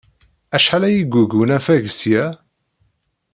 Acḥal ay yeggug unafag seg-a?